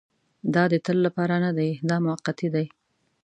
دا د تل لپاره نه دی دا موقتي دی.